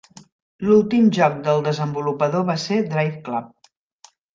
L'últim joc del desenvolupador va ser 'Driveclub'.